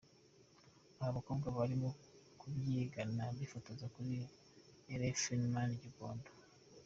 Aha abakobwa barimo babyigana bifotoza kuri Elephantman i Gikondo.